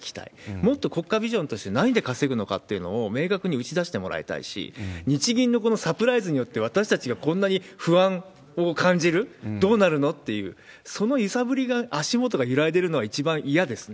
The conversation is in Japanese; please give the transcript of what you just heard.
もっと国家ビジョンとして何で稼ぐのかっていうのかを明確に打ち出してもらいたいし、日銀のこのサプライズによって私たちがこんなに不安を感じる、どうなるの？っていう、その揺さぶりが、足元が揺らいでるのは、一番嫌ですね。